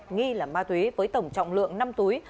nghi là ma túy với tổng trọng lượng năm túi